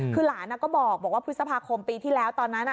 คือหลานก็บอกว่าพฤษภาคมปีที่แล้วตอนนั้น